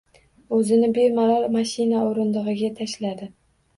O‘zini behol mashina o‘rindig‘iga tashladi.